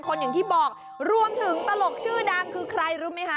อย่างที่บอกรวมถึงตลกชื่อดังคือใครรู้ไหมคะ